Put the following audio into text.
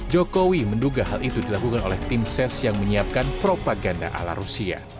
jokowi menduga hal itu dilakukan oleh tim ses yang menyiapkan propaganda ala rusia